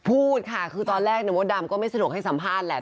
พูดค่ะคือตอนแรกมดดำก็ไม่สะดวกให้สัมภาษณ์แหละ